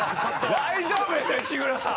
大丈夫ですよ石黒さん！